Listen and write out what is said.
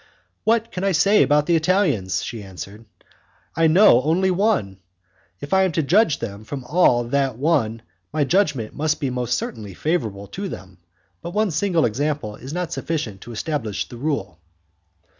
"What can I say about the Italians," she answered, "I know only one? If I am to judge them all from that one my judgment must certainly be most favourable to them, but one single example is not sufficient to establish the rule."